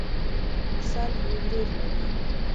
مرسل يو ورور لري.